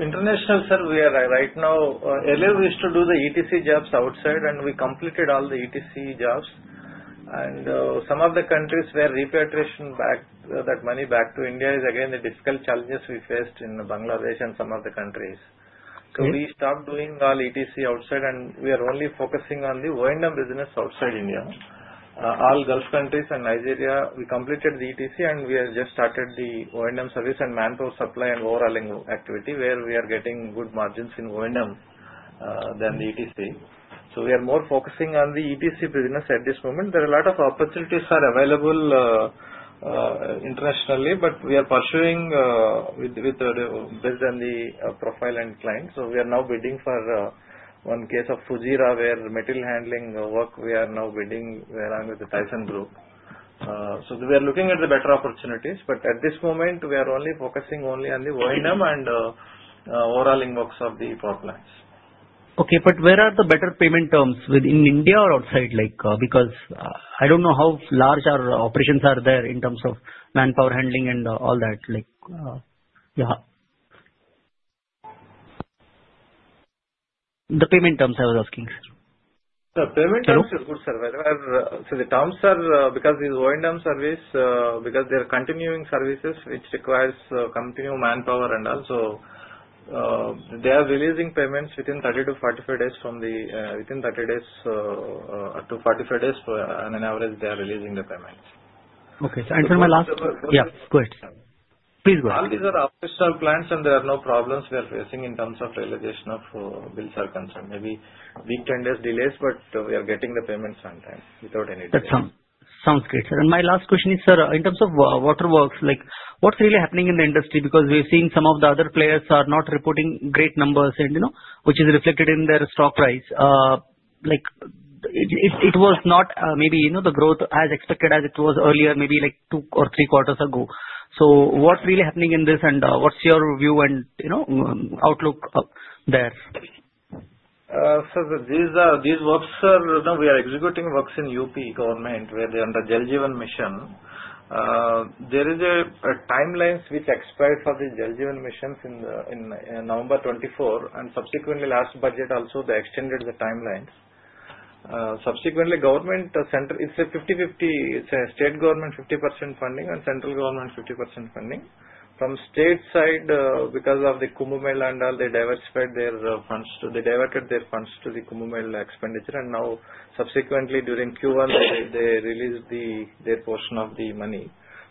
Speaker 3: International, sir, we are right now, earlier we used to do the ETC jobs outside, and we completed all the ETC jobs. Some of the countries where repatriation back that money back to India is again the difficult challenges we faced in Bangladesh and some of the countries. We stopped doing all ETC outside, and we are only focusing on the O&M business outside India. All Gulf countries and Nigeria, we completed the ETC, and we have just started the O&M service and manpower supply and overhauling activity where we are getting good margins in O&M than the ETC. We are more focusing on the ETC business at this moment. There are a lot of opportunities that are available internationally, but we are pursuing based on the profile and client. We are now bidding for one case of Fujairah where material handling work we are now bidding along with the ThyssenKrupp. We are looking at the better opportunities. But at this moment, we are only focusing only on the O&M and overhauling works of the power plants.
Speaker 9: Okay. But where are the better payment terms within India or outside? Because I don't know how large our operations are there in terms of manpower handling and all that. The payment terms, I was asking, sir.
Speaker 3: The payment terms are good, sir. So the terms are because these O&M service, because they are continuing services, which requires continuing manpower and also, they are releasing payments within 30-45 days, and on average, they are releasing the payments.
Speaker 9: Okay. And sir, my last yeah. Go ahead. Please go ahead.
Speaker 3: All these are off seasonal plants, and there are no problems we are facing in terms of realization of bills are concerned. Maybe a week, 10 days delays, but we are getting the payments on time without any delay.
Speaker 9: That sounds great, sir. And my last question is, sir, in terms of water works, what's really happening in the industry? Because we've seen some of the other players are not reporting great numbers, which is reflected in their stock price. It was not maybe the growth as expected as it was earlier, maybe like two or three quarters ago. So what's really happening in this, and what's your view and outlook there?
Speaker 3: Sir, these works, sir, we are executing works in UP government where they are under Jal Jeevan Mission. There is a timeline which expires for the Jal Jeevan Mission in November 2024. And subsequently, last budget also, they extended the timelines. Subsequently, central government, it's a 50-50. It's a state government 50% funding and central government 50% funding. From the state side, because of the Kumbh Mela and all, they diverted their funds to the Kumbh Mela expenditure. Now, subsequently, during Q1, they released their portion of the money.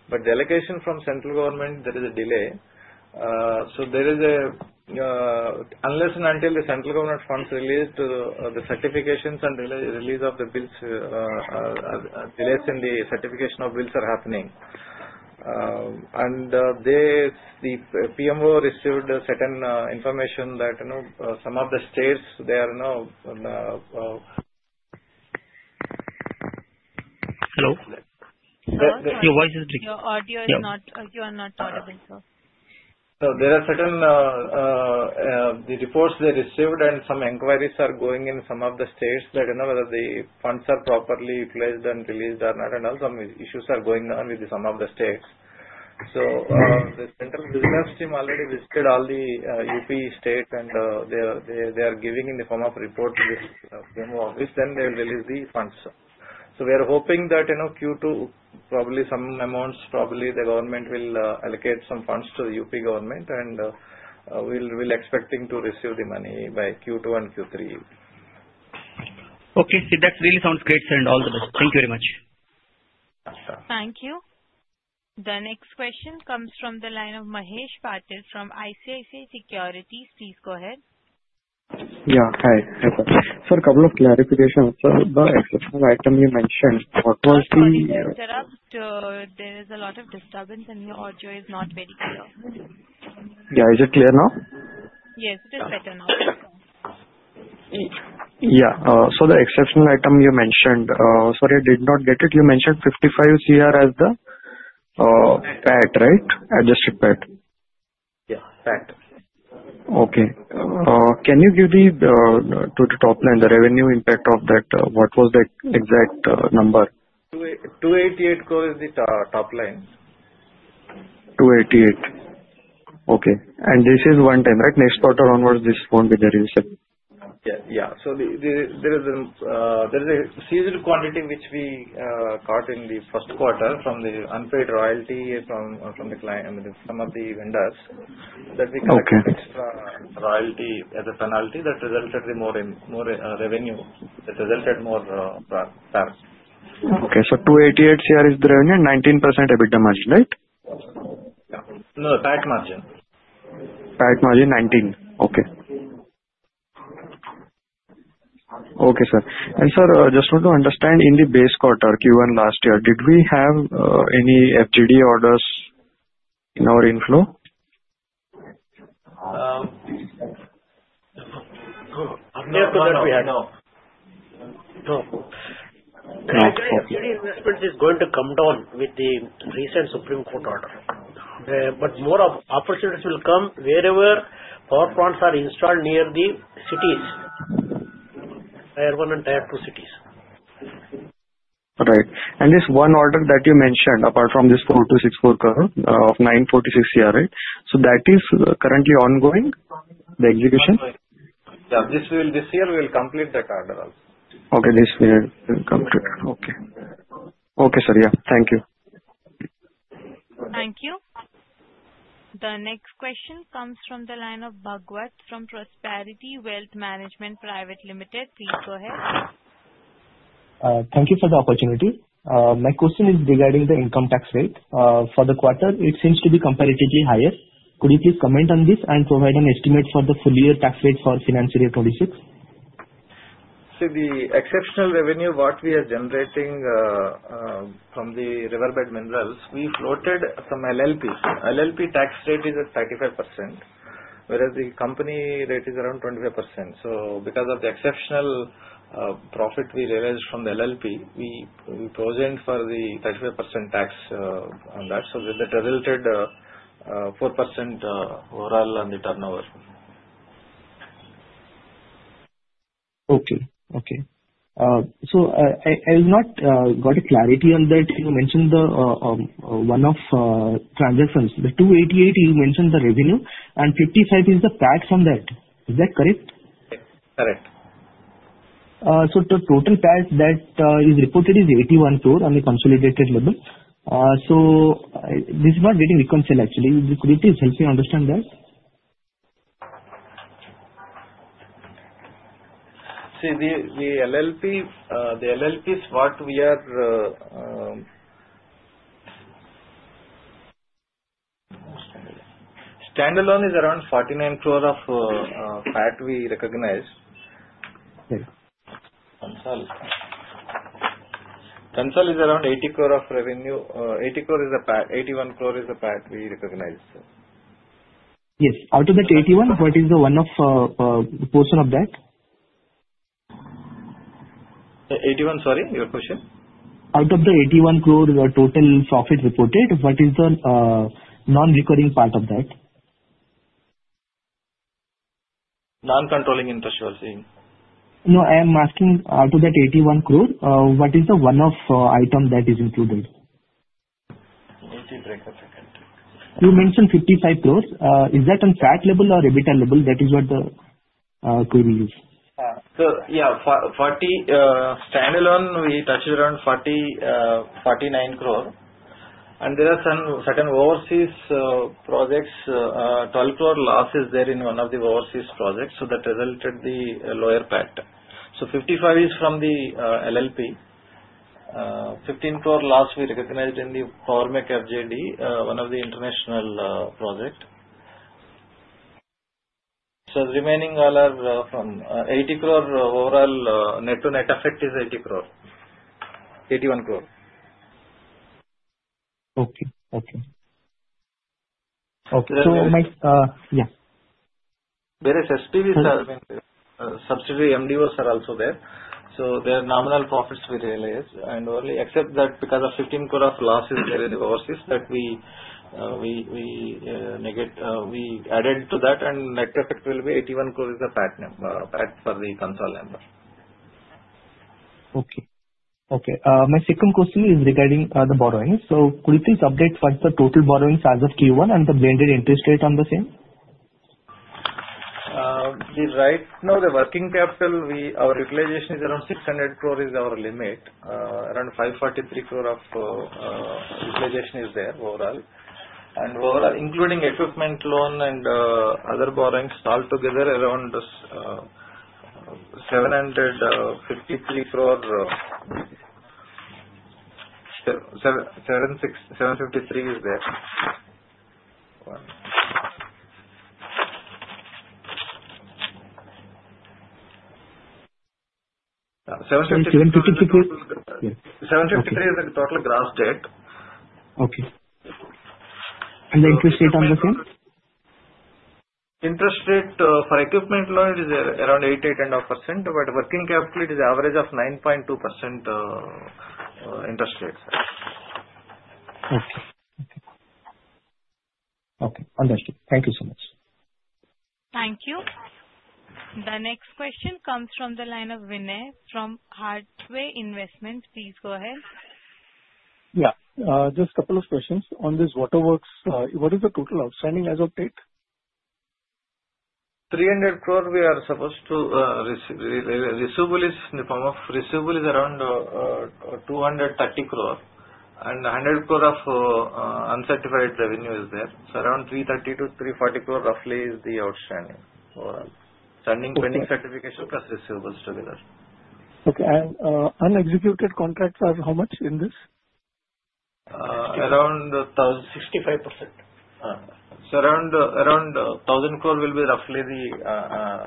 Speaker 3: But the allocation from the central government, there is a delay. Unless and until the central government funds are released, delays in the certification and release of the bills are happening. The PMO received certain information that some of the states, they are now.
Speaker 9: Hello? Your voice is leaking.
Speaker 2: Your audio is not audible, sir.
Speaker 3: There are certain reports they received, and some inquiries are going on in some of the states that whether the funds are properly placed and released or not, and also some issues are going on with some of the states. So the central business team already visited all the UP states, and they are giving in the form of report to this PMO office. Then they will release the funds, sir. So we are hoping that Q2, probably some amounts, probably the government will allocate some funds to the UP government, and we'll expecting to receive the money by Q2 and Q3.
Speaker 9: Okay. See, that really sounds great, sir, and all the best. Thank you very much.
Speaker 2: Thank you. The next question comes from the line of Mahesh Patil from ICICI Securities. Please go ahead.
Speaker 10: Yeah. Hi. Sir, a couple of clarifications. Sir, the exceptional item you mentioned, what was the?
Speaker 2: Sorry, sir. There is a lot of disturbance, and your audio is not very clear.
Speaker 10: Yeah. Is it clear now?
Speaker 2: Yes, it is better now.
Speaker 10: Yeah. So the exceptional item you mentioned, sorry, I did not get it. You mentioned 55 CR as the PAT, right? Adjusted PAT.
Speaker 3: Yeah. PAT.
Speaker 10: Okay. Can you give the total top line, the revenue impact of that? What was the exact number?
Speaker 3: 288 crore is the top line.
Speaker 10: 288 crore. Okay. And this is one time, right? Next quarter onwards, this won't be the release?
Speaker 3: Yeah. So there is a seasonal quantity which we got in the first quarter from the unpaid royalty from some of the vendors that we collect extra royalty as a penalty that resulted in more revenue. It resulted more PAT.
Speaker 10: Okay. So 288 CR is the revenue and 19% EBITDA margin, right?
Speaker 3: No, PAT margin.
Speaker 10: PAT margin, 19%. Okay. Okay, sir. Sir, just want to understand, in the base quarter, Q1 last year, did we have any FGD orders in our inflow?
Speaker 3: No, sir. No. No.
Speaker 4: The FGD investment is going to come down with the recent Supreme Court order. But more opportunities will come wherever power plants are installed near the cities, Tier 1 and Tier 2 cities.
Speaker 10: Right. And this one order that you mentioned, apart from this 4,264 crore of 946 crore, right? So that is currently ongoing, the execution?
Speaker 3: Yeah. This year, we will complete that order also.
Speaker 10: Okay. This year, we will complete. Okay. Okay, sir. Yeah. Thank you.
Speaker 2: Thank you. The next question comes from the line of Bhagwat from Prosperity Wealth Management Private Limited. Please go ahead.
Speaker 11: Thank you for the opportunity. My question is regarding the income tax rate. For the quarter, it seems to be comparatively higher. Could you please comment on this and provide an estimate for the full year tax rate for FY26?
Speaker 3: See, the exceptional revenue what we are generating from the riverbed minerals, we floated some LLPs. LLP tax rate is at 35%, whereas the company rate is around 25%. So because of the exceptional profit we realized from the LLP, we present for the 35% tax on that. So that resulted 4% overall on the turnover.
Speaker 11: Okay. So I have not got a clarity on that. You mentioned one of the transactions. The 288 crore, you mentioned the revenue, and 55 is the PAT from that. Is that correct?
Speaker 3: Correct. Correct.
Speaker 11: So the total PAT that is reported is 81 crore on the consolidated level. So this is not getting reconciled, actually. Could you please help me understand that?
Speaker 3: See, the LLPs. What we are standalone is around 49 crore of PAT we recognize. Consolidated is around 80 crore of revenue. 80 crore is the PAT. 81 crore is the PAT we recognize.
Speaker 11: Yes. Out of that 81 crore, what is the one-off portion of that?
Speaker 3: 81, sorry? Your question?
Speaker 11: Out of the 81 crore, the total profit reported, what is the non-recurring part of that?
Speaker 3: Non-controlling interest, you are saying?
Speaker 11: No, I am asking, out of that 81 crore, what is the one-off item that is included?
Speaker 3: Let me take a second.
Speaker 11: You mentioned 55 crores. Is that on PAT level or EBITDA level? That is what the query is.
Speaker 3: Yeah. Standalone, we touched around 49 crore and there are some certain overseas projects, 12 crore losses there in one of the overseas projects. So that resulted in the lower PAT. So 55 crore is from the LLP. 15 crore loss we recognized in the Power Mech FZE, one of the international projects. So the remaining all are from 80 crore overall net to net effect is 80 crore. 81 crore.
Speaker 11: Okay. Okay. Okay. So yeah.
Speaker 3: Whereas SPVs are subsidiary MDOs are also there. So there are nominal profits we realized. And only except that because of 15 crore of losses there in the overseas, that we added to that, and net effect will be 81 crore is the PAT for the consolidated numbers.
Speaker 11: Okay. Okay. My second question is regarding the borrowings. So could you please update what the total borrowings are of Q1 and the blended interest rate on the same?
Speaker 3: Right now, the working capital, our utilization is around 600 crore is our limit. Around 543 crore of utilization is there overall. And overall, including equipment loan and other borrowings, altogether around 753 crore. INR 753 crore is there. INR 753 crore is the total gross debt.
Speaker 11: Okay.And the interest rate on the same?
Speaker 3: Interest rate for equipment loan is around 8%-8.5%, but working capital, it is average of 9.2% interest rate.
Speaker 11: Okay. Okay. Okay. Understood. Thank you so much.
Speaker 2: Thank you. The next question comes from the line of Vinay from Hathway Investments. Please go ahead.
Speaker 12: Yeah. Just a couple of questions. On these water works, what is the total outstanding as of date?
Speaker 3: 300 crore we are supposed to receive. Receivables are in the form of receivables around 230 crore. And 100 crore of uncertified revenue is there. So around 330-340 crore roughly is the outstanding overall. Standing pending certification plus receivables together.
Speaker 12: Okay. And unexecuted contracts are how much in this?
Speaker 3: Around 65%. So around 1000 crore will be roughly the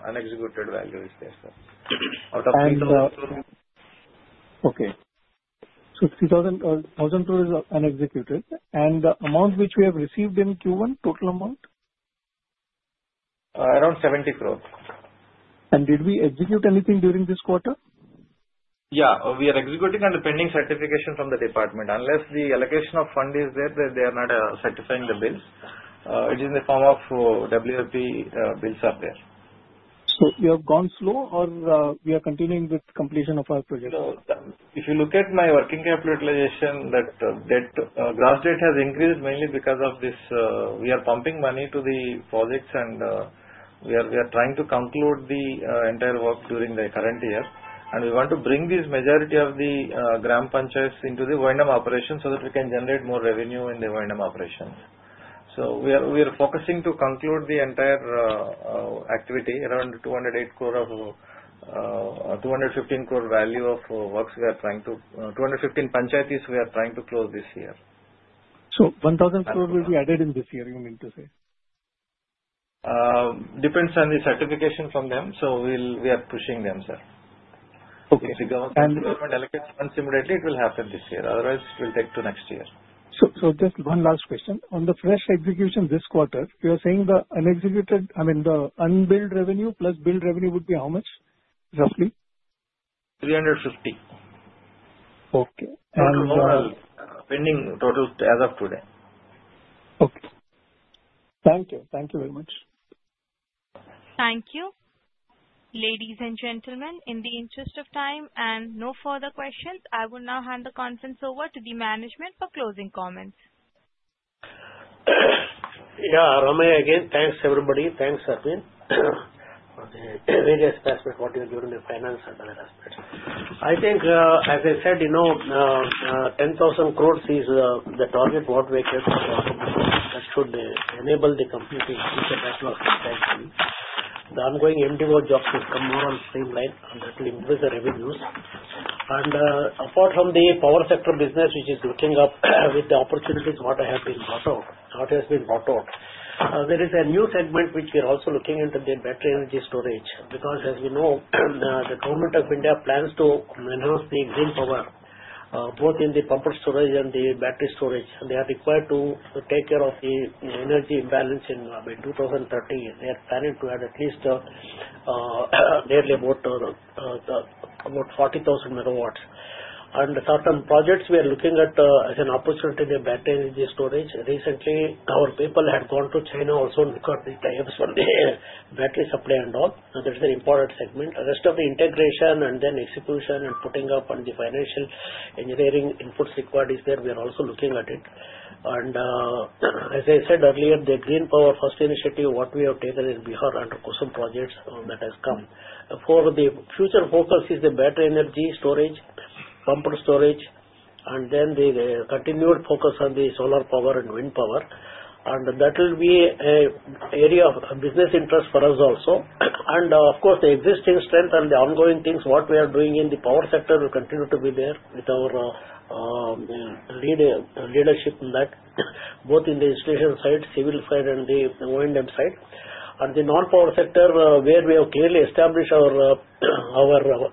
Speaker 3: unexecuted value is there, sir. Out of INR 3000 crore.
Speaker 12: Okay. So 1000 crore is unexecuted. The amount which we have received in Q1, total amount?
Speaker 3: Around 70 crore.
Speaker 12: And did we executeanything during this quarter?
Speaker 3: Yeah. We are executing on the pending certification from the department. Unless the allocation of fund is there, they are not certifying the bills. It is in the form of WIP bills are there.
Speaker 12: So you have gone slow or we are continuing with completion of our project?
Speaker 3: If you look at my working capital utilization, that gross debt has increased mainly because of this. We are pumping money to the projects and we are trying to conclude the entire work during the current year. We want to bring this majority of the gram panchayats into the O&M operation so that we can generate more revenue in the O&M operations. So we are focusing to conclude the entire activity around 215 crore value of works we are trying to 215 panchayats we are trying to close this year.
Speaker 12: So 1,000 crore will be added in this year, you mean to say?
Speaker 3: Depends on the certification from them. So we are pushing them, sir. If the government allocates funds immediately, it will happen this year. Otherwise, it will take to next year.
Speaker 12: So just one last question. On the fresh execution this quarter, you are saying the unexecuted, I mean, the unbilled revenue plus billed revenue would be how much, roughly?
Speaker 3: 350 crore. Okay. And total pending as of today.
Speaker 12: Okay. Thank you. Thank you very much.
Speaker 1: Thank you. Ladies and gentlemen, in the interest of time and no further questions, I will now hand the conference over to the management for closing comments.
Speaker 4: Yeah. Ramaiah again. Thanks, everybody. Thanks, Arvind. Various aspects what you are doing in the finance and other aspects. I think, as I said, 10,000 crores is the target what we are working towards. That should enable the completing of the national contracts. The ongoing MDO jobs will come more on streamline, and that will increase the revenues. And apart from the power sector business, which is looking up with the opportunities what I have been brought out, what has been brought out, there is a new segment which we are also looking into the battery energy storage. Because as we know, the Government of India plans to enhance the green power, both in the pumped storage and the battery storage. They are required to take care of the energy imbalance in 2030. They are planning to add at least nearly about 40,000 MW. And certain projects we are looking at as an opportunity, the battery energy storage. Recently, our people had gone to China also. Record the times on the battery supply and all. That is an important segment. The rest of the integration and then execution and putting up on the financial engineering inputs required is there. We are also looking at it. And as I said earlier, the Green Power First Initiative, what we have taken in Bihar under KUSUM projects that has come. For the future focus is the battery energy storage, pumped storage, and then the continued focus on the solar power and wind power. And that will be an area of business interest for us also. And of course, the existing strength and the ongoing things what we are doing in the power sector will continue to be there with our leadership in that, both in the installation side, civil side, and the O&M side. And the non-power sector where we have clearly established our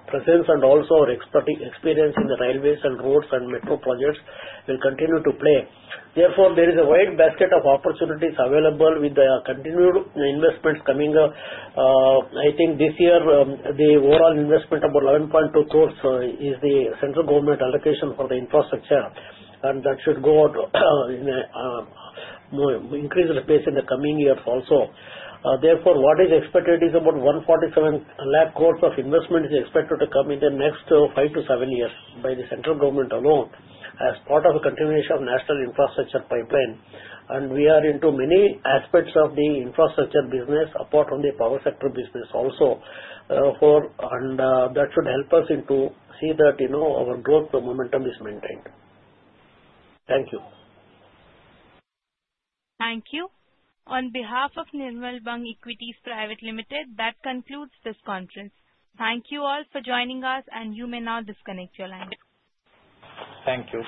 Speaker 4: presence and also our experience in the railways and roads and metro projects will continue to play. Therefore, there is a wide basket of opportunities available with the continued investments coming up. I think this year, the overall investment about 11.2 crores is the central government allocation for the infrastructure. And that should go out in more increased pace in the coming years also. Therefore, what is expected is about 147 lakh crores of investment is expected to come in the next five to seven years by the central government alone as part of the continuation of National Infrastructure Pipeline. We are into many aspects of the infrastructure business apart from the power sector business also. That should help us into see that our growth momentum is maintained. Thank you.
Speaker 1: Thank you. On behalf of Nirmal Bang Equities Private Limited, that concludes this conference. Thank you all for joining us, and you may now disconnect your line. Thank you.